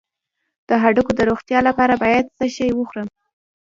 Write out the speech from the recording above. د هډوکو د روغتیا لپاره باید څه شی وخورم؟